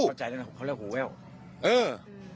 เขาเรียกว่าหัวแววเออ